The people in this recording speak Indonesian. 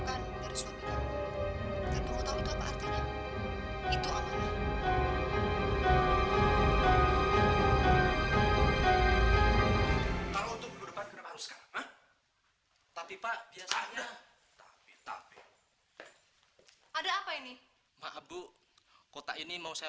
maka untuk minggu depan kenapa harus karang tapi pak biasanya ada apa ini mahabuk kota ini mau saya